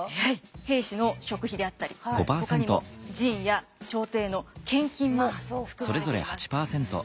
兵士の食費であったりほかにも寺院や朝廷への献金も含まれています。